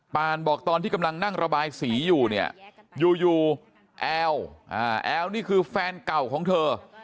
ปานบอกตอนที่กำลังนั่งระบายสีอยู่เนี่ยอยู่แอลแอลนี่คือแฟนเก่าของเธอ